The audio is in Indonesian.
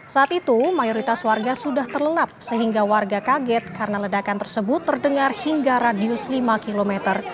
saat itu mayoritas warga sudah terlenap sehingga warga kaget karena ledakan tersebut terdengar hingga radius lima km